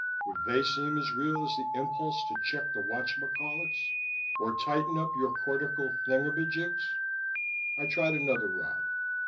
Would they seem as real as the impulse to check the whatchamacallits or tighten up your cortical thingamajigs? I tried another rod.